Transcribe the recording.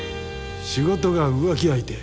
仕事が浮気相手？